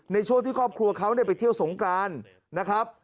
ในช่วงที่ครอบครัวเขาไปเที่ยวสงกรานนะครับ